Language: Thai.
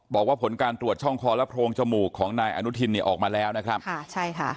บอกว่าผลการตรวจช่องคอและโพรงจมูกของนายอนุทินเนี่ยออกมาแล้วนะครับค่ะใช่ค่ะ